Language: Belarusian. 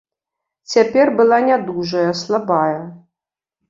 Цяпер была нядужая, слабая.